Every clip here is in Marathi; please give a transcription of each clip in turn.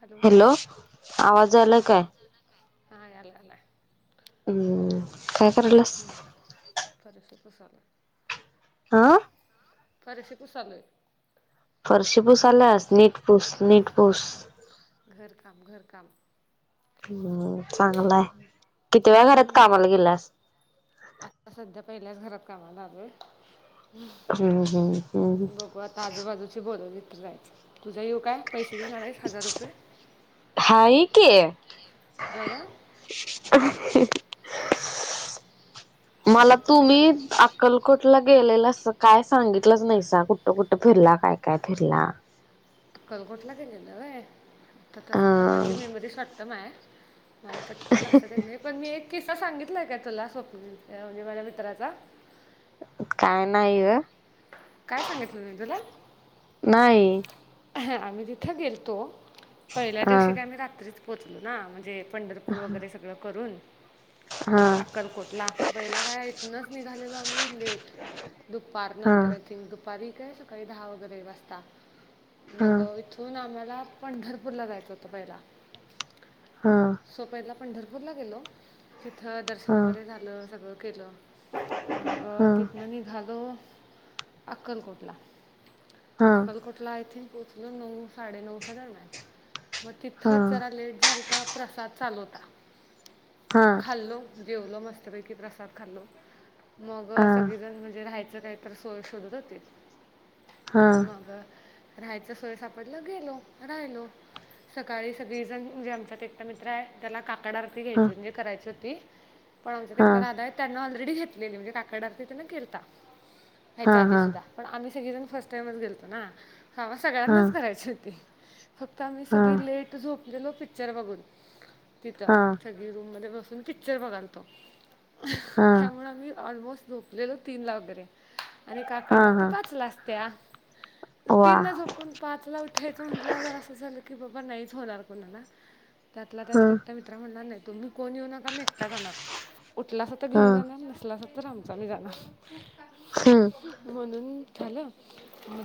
हॅलो आवाज हू आलाय काय हा यालागलाय हू काय कराल्यास [unintelligible] आ फरशी पुसालोय फरशी घर काम पुसाल्यास नीट पुस नीट पुस घर काम घर काम चांगलंय कितव्या घरात हम्म कामाला गेल्यास आता सध्या पहिल्याच घरात कामाला आलोय हम्म हम्म हम्म बघू आता आजूबाजूची बोलवली तर जायचं, उदय येऊ काय? पैसे देणार हाय एक हजार रुपये, हाय की बघ हा. मला येतो मी तुम्ही घरला आप. अक्कलकोटला गेलेलं अस काय सांगितलंच नाहीसा, कुठं कुठं फिरला काय काय फिरला? अक्कलकोटला गेलेलो होय! कसं काय माझी अ मेमरी शॉर्ट टाईम हाय. मला पटकन लक्षात येत नाही पण, मी एक किस्सा सांगितलाय काय तुला? स्वप्न म्हणजे माझ्या मित्राचा. काय नाही ग. काय सांगितलं नाही तुला? नाही आम्ही जिथे गेलतो, पहिल्या हा दिवशी काही रात्रीच पोचलो ना म्हणजे. पंढरपूर वगैरे सगळं करून. हा अक्कलकोटला पहिला काय इथनच निघालेलो आम्ही. लेट. दुपार हा नंतर इथ, दुपारी काय सकाळी दहा वगैरे वाजता हा मग इथ. हा ना. मला आम्हाला पंढरपूरला जायचं होतं पहिला. हा. सो पहिला पंढरपूरला गेलो, तिथं दर्शन हा वगैरे झालं सगळं केलं. मग हा तिथनं निघाल. अक्कलकोटला, अक्कलकोटला आय थिक पोहोचलो नऊ साडेनऊच्या दरम्यान. मग तिथेच हा जरा लेट झालंता, प्रसाद चाललो होता हा खाल्लो. जेवलं मस्तपैकी प्रसाद खाल्लो मग हा सगळीजण, म्हणजे राहायचं काही तर सोय. शोधत होते, हा मग. राहायचं सोय सापडलं गेलो, राहिलो, सकाळी सगळीजण म्हणजे आमच्या एक. आमच्या त्याचे मित्र आहेत त्यांना काकड आरती, हा घ्यायची होती पण हा आमच्या राधा काहीच. [unintelligible] त्यांनी ऑलरेडी घेतलेली म्हणजे, काकड आरती त्यानं केलता. हा याच्या आधी हा सुद्धा, आम्ही सगळे फर्स्ट टाइम गेलतो ना. काम हा सगळ्यांनाच करायची होती, फक्त आम्ही हा सगळी लेट झोपलेलो पिक्चर बघून, तिथं. हा रूममध्ये बसून पिक्चर बघालातो, होतो हा त्यामुळे मी ऑलमोस्ट झोप. गेले तीनला आणि हा काकड आरती हा पाचला वगैरे असत्या. वा आपण पाचला उठायचं म्हणलं, तर असं झालं की बाबा नाहीच होणार कोणाला. त्यातला ह त्यातला एक मित्र म्हणणार नाही तुम्ही कोण येऊ नका मी. उठलासा तर ह घेऊन जाणार, नाही तर आमचं आम्ही जाणार. हम्. म्हणून झालं,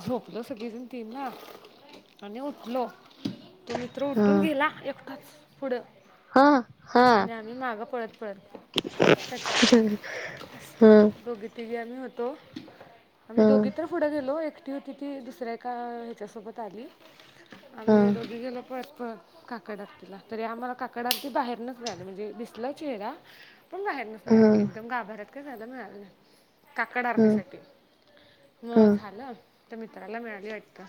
झोपलो सगळेजण तीनला. आणि उठलो, तो मित्र उठून गेला एकटाच पुढं. हा हा. मी मागं पळत पळत, त्याच्या ह ह दूघी [unintelligible] तिघी आम्ही होतो. ह ह आम्ही दोघी तर पुढं गेलो, एकटी होती ती दुसऱ्या एका ह्याच्यासोबत आली. ह आम्ही दोगी गेलो पळत पळत. काकड आरतीला तरी आम्हाला काकड आरती बाहेरच मिळाली, म्हणजे दिसला चेहरा पण बाहेरनं. ह ह मिळाली ह ह ह ह ह ह ह ह ह एकदम, गाभऱ्याात काय मिळालं काकड आरतीसाठी. मग ह झालं तर मित्राला मिळाल वाटतं.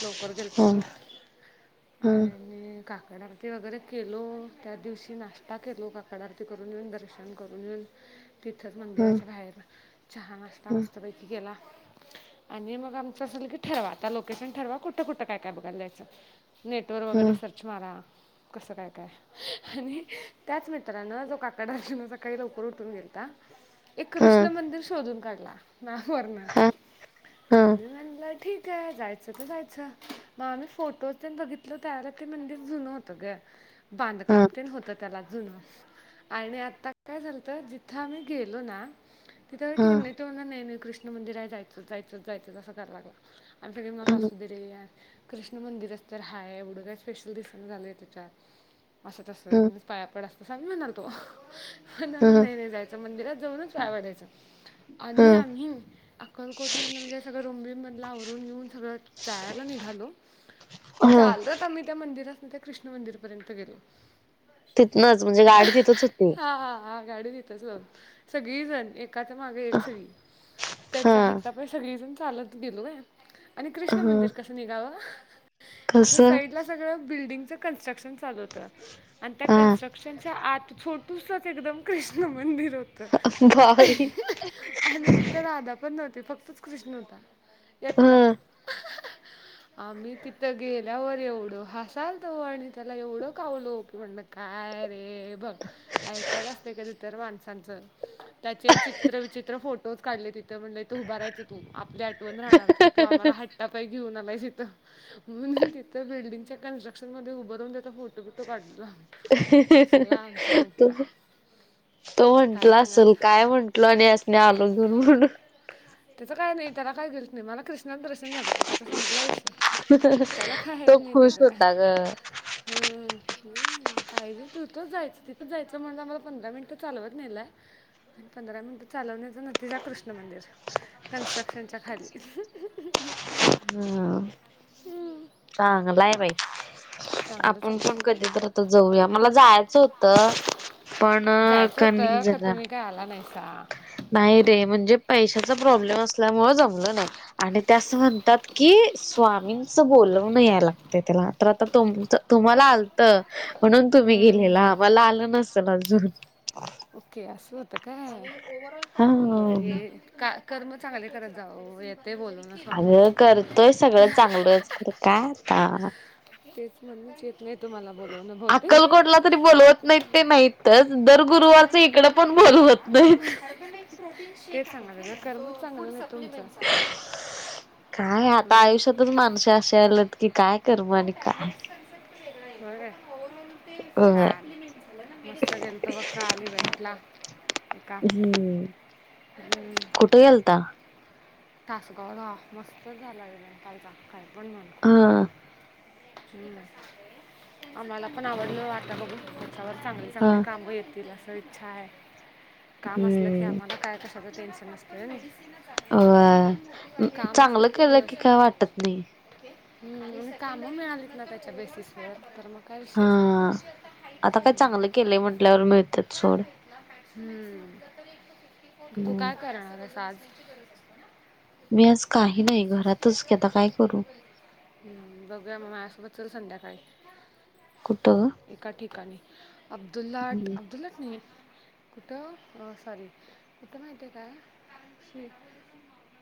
लवकर गेलता तो आणि काकड आरती. ते वगैरे केलो, त्या दिवशी नाश्ता केलो काकड आरती करून येऊन दर्शन करून येऊन. तिथंच मंदिराच्या बाहेर, चहा नास्ता मस्तपैकी केला. आणि मग आमचं असं की ठरवा, आता लोकेशन ठरवा कुठं कुठं काय काय बघायला जायचं. नेटवर वगैरे सर्च मारा, कसं काय काय. आणि त्याच मित्रानं, जो काकड आरती ला सकाळी लवकर उठून गेलता, एक कृष्ण मंदिर शोधून काढला, ना वण आणि म्हणलं ठीक काय, जायच त जायच. मग आम्ही फोटोज तेन बघितलं त्यावेळेला ते मंदिर जुन होतं ग, बांधकाम ते होतं त्याला जुनं, आणि आता काय झालतं जिथं आम्ही गेलो ना, तिथ ठीक नाही, तो म्हणाला नाही नाही कृष्ण मंदिर आहे जायचंच जायचंच जायचं असं कराय लागला. आम सगळी मत असू दे रे, कृष्ण मंदिरच तर हाय, एवढं काय स्पेशल दिसना झालय त्याच्यात. असं तसं ईतनच पाया पड असतस असं आम्ही म्हणालतो. ना ह ह ना ह नाही नाही जायचं, मंदिरात जाऊनच पाया पडायच आणि अक्कलकोट मधलं रूमबीमधलं सगळं आवरून घेऊन सगळं जायाला निघालो. चालत आम्ही त्या मंदिरात नं त्या कृष्ण मंदिरापर्यंत गेलो. तिथनंच, म्हणजे गाडी तिथंच हुती. हा हा, गाडी तितच लाऊन, सगळी जण, एकाच्या माग एक सगळी. हा त्याच्या हट्टापाय सगळीजण चालत गेलो काय, आणि ह मंदिर कसं निघावं कस असं साईड ला सगळं बिल्डिंगचं कन्स्ट्रक्शन चालू होतं, आणि त्या हा कन्स्ट्रक्शन च्या आत, छोटूसचं एकदम कृष्ण मंदिर होत बाई [inaudible] आणि तिथं राधा पण नव्हती, फक्त कृष्ण हुता, एकटा. आम्ही तिथं गेल्यावर एवढं हसालतो, आणि त्याला एवढं कावलो की म्हणलं काय रे बघ, ऐकायचं असतय कधीतर माणसांच, त्याचे चित्र विचित्र फो टोच काढले तिथं, म्हणलं इथ उभारायचं तू, आपली आठवण राहणार की तू आम्हाला हट्टा पाय घेऊन आलायस इथं. म्हणून तिथं बिल्डिंगच्या कन्स्ट्रक्शन मध्ये उभ राहून त्याचा फो फोटो बिटो काढलो, असला आमचा ह मित्र. तो काय म्हटला असल, सांगायचं काय म्हंटलो आणि ह्यासनी आलो घिऊन म्हणून. त्याचं काय नाही, त्याला काय गिल्ट नाही, मला क्रि दरशन झालं की त्याचा संपला विषय, त्याला कायेत तो नाही त्याच खुश काय, होता ग हम्म पाहिजे तिथंच जायचं तिथंच जायचं म्हणून आम्हाला पंधरा मिनिटं चालवत नेलाय पंधरा मिनिट चालवण्याचा नतीजा कृष्ण मंदिर, कन्स्ट्रक्शनच्या खाली. ह्म चांगलं आहे बाई, चांगलंच आपण पण ऐकलं कधीतर जाऊया, मला जायचं होतं पण जायचं कनी होतं खरं जरा तुम्ही काय आला नाही का नाही रे, म्हणजे पैशाचा प्रोब्लेम असल्यामुळं जमलं नाही. आणि ते असं म्हणतात की, स्वामींचं बोलवणं याय लागतय त्याला, तर आता तुमचं तुम्हाला आलतं म्हणून तुम्ही गेलेला, आमाला आलं नसल अजून. ओके असं होत काय, हा बर हे का कर्म चांगले करत जावावेत. अगं करतोय सगळं चांगलंच, खरं काय आता. तेच, म्हणूनच येत नाही तुम्हाला बोलवणं बहूतेक. अक्कलकोटला तरी बोलवत नाहीत ते नाहीतच दर गुरुवारच इकडं पण बोलवत नाहीत. तेच सांगणार गं कर्म चांगल नाही तुमच? काय आता आयुष्यातच माणसं असे याल्यात की काय. कर्म हो आणि काय काय. होय. छान, मस्त गेलतो बघ काल इव्हेंट ला. हम. हम्म. कुठ गेलता? तासगावला मस्त झाला इव्हेंट कालचा काय पण म्हण खूप हा भारी. हम्म, आम्हाला पण आवडल आता बघू. त्यावर चांगली हा चांगली कामं येतील असं इच्छा आहे काम असलं की हम्म आम्हाला काय कस सगळ टेन्शन नसतंय आहे नाय. अ चांगलं केलं दिवस. की काय वाटत नाही. ओके हम् काम मिळालीत ना त्याच्या बेसिस वर तर मग काय हा विषयच आता काय नाही. चांगलं केलंय म्हटल्यावर मिळतात सोड. हम्म, तू हम्म काय करणार आहेस आज? असते ना मी आज म्हणजे काही नाही विदिन सिक्स्टी घरातच आपला की आता काय मोटिव्ह करू. करणं गरजेचं आहे बघूया मग माझ्यासोबत चल संध्याकाळी. कुठं? एका ठिकाणी अब्दुल्लाट, अब्दुल्लाट नाही. कुठं सॉरी कुठं माहिती आहे काय स्वी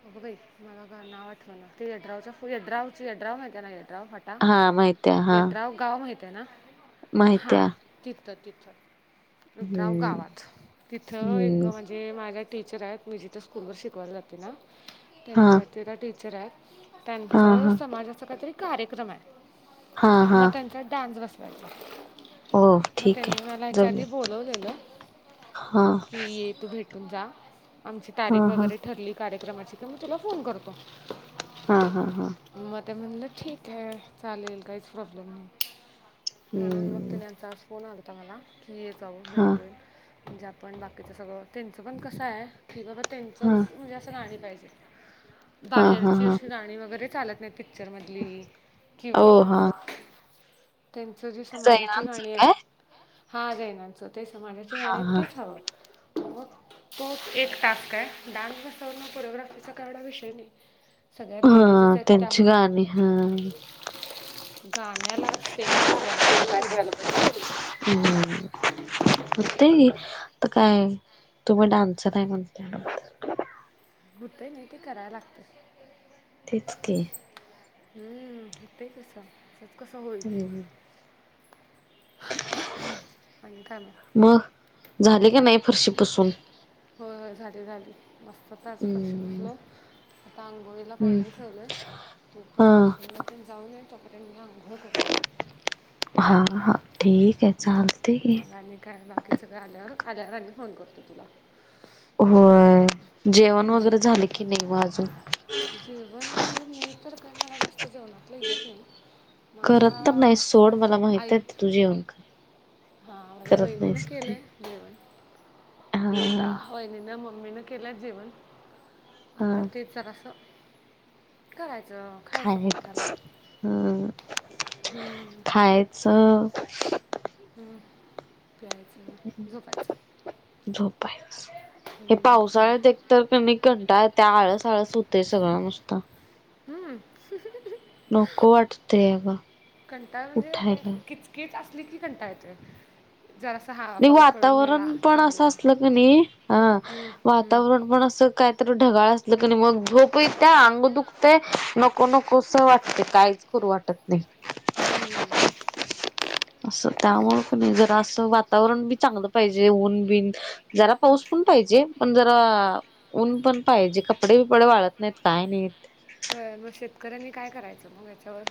अग बाई मला काय आठवना येड्रवच्या येड्रा येड्राव हाय का नाय येड्रावट हा माहित्या हा यड्रॉव गाव माहित आहे ना. माहित्या हा. तिथं तिथं यद्राव हम्म गावात तिथं एक हम्म म्हणजे म्हणजे माझ्या टीचर आहेत मी जिथं स्कूलवर शिकवायला जाते ना. हा त्यांच्यावरती त्या टीचर आहेत हा त्यांचं हा समाजाचा काहीतरी कार्यक्रम आहे. हा हा मग त्यांचा डान्स बसवायचायं. हो मग ठीक त्यांनी आहे मला याच्या आधी जाऊया बोलवलेलं, हा की ये तू भेट तू जा आमची हा तारीख हा वगैरे ठरली कार्यक्रमाची का मी तुला फोन करतो. हां हां हां. मग ते म्हणलं ठीक आहे चालेल काहीच प्रॉब्लेम नाही. म्हणून मग हम्म त्यांचा आज फोन आलाता मला की ये जाऊं हा भेट होईल. म्हणजे आपण बाकीच सगळं त्यांचं पण कसं आहे की बाबा त्यांचच हा म्हणजे असं गाणी पाहीजे हा हा बाहेरची हा अशी गाणी वगैरे चालत नाही ती पिक्चर मधली किंवा हो हा आस त्यांचं जी समाजाची सैरामच गाणी काय आहेत हा जैनानंच ते समाजा जे गाण हा आहे हा तेच हवं मग तोच एक टास्क आहे डान्स बस कोरिओग्राफीचा का एवढा विषय नाही सगळ्या हा लेडीजच आहेत त्यांची त्यामुंळ. गाणी हा गाण्याला स्टेप मॅच व्हायला पाहिजे तेवढंच. हम्म. ते तर काय तुम्ही डान्स नाय म्हणतायं. होतय नाही तर कराय लागतय. तेच की हम्म हुतंय कसं त्यात कस होईल. हम्म आणि काय मग? मग झाले का नाही फरशी पुसून हो झाली झाली मस्तच आज. फरशी हम्म पुसलो, आता आंघोळीला हम्म पाणी ठेवलंय, तो पण हा वॉशरूम ला तेन जाऊन ये तोपर्यंत मी आंघळ करून येतो. हा हा ठीक य बरं चालतंय की. मग आणि काय [unintelligible] बाकीच काय आल्यावर आल्यावर आणि फोन करतो तुला. होय जेवण हम्म. वगैरे झाले की नाही मग अजून? जेवण म्हणजे मी तर काय मला जास्त जेवणातलं येत नाही. माझ्या करत तर नाही सोड मला माहित आहे तुझी [unintelligible] हा माझ्या वहिणी न केलय जेवण. हां. वहिनीन, मम्मीनं केलय जेवण आता हा तेच जरासं करायचं. खायचं खायच पोटाला हं हम्म, खायच ह प्यायचं न झोपायचं. झोपायच. हे हम्म, पावसाळ्यात नाही एकतर कनय कंटाळत्या आळस आळस होतेय सगळा नुसता. हम्म. नको वाटतय अग. कंटाळा म्हणजे काय किचकीच असली की कंटाळा येतोय. जरासा हा नाय पाऊस पडून वातावरण गेला पण अस थांबला असलं की नाही ह हम्म, हम्म, वातावरण पण असं काय तर ढगाळ असलं क नाय मग झोप येत्या, अंग दुखतय न नको नकोसं वाटतय काहीच करू वाटत नाही. हम्म. असं त्यामुळे कनाय जरा असं वातावरण बी चांगलं पाहिजे ऊन बिन जरा पाऊस पण पाहिजे पण जरा ऊन पण पाहिजे कपडे बिपडे वाळत नाहीत काय नाहीत. होय मग शेतकऱ्यांनी काय करायचं मग याच्यावर?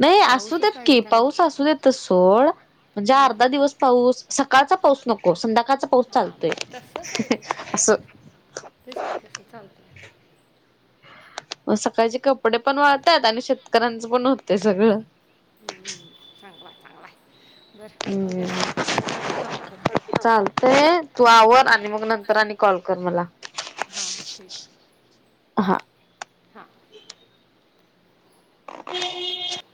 नाही आसू पाऊसच देत पाहिजे की त्यांना पाऊस आसू देत त सोड म्हणजे हम्म. अर्धा दिवस पाऊस, सकाळचा पाऊस नको संध्याकाळचा पाऊस हा मग तसं चालतोय असं. चालतंय. मग सकाळचे कपडे पण वाळतात आणि शेतकऱ्यांचं पण होतय सगळं. हम्म चांगलाय, चांगलाय बरं हम्म. ठीकय. चालतंय, तू आवर आणि मग नंतर आणि कॉल कर मला. हा ठीक आहे. हा. हा. [inaudible]